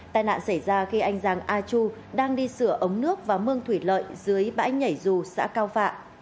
tai nạn xảy ra khi anh giàng a chu đang đi sửa ống nước và mương thủy lợi dưới bãi nhảy dù xã cao phạ